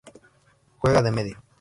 Juega de medio.